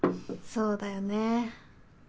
そうだよね。